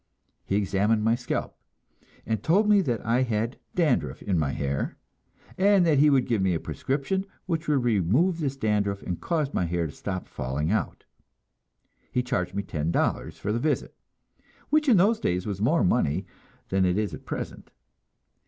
He examined my scalp, and told me that I had dandruff in my hair, and that he would give me a prescription which would remove this dandruff and cause my hair to stop falling out. He charged me ten dollars for the visit, which in those days was more money than it is at present.